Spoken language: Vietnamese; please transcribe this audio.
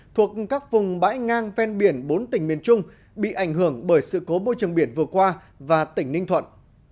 thuộc các vùng bãi ngang ven biển bốn tỉnh miền trung bị ảnh hưởng bởi sự cố môi trường biển vừa qua và tỉnh ninh thuận